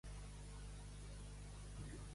Mal que fa corfa no és tan real.